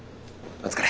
お疲れ。